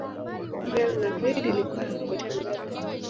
Real Madrid ilikuwa ya kuotea mbali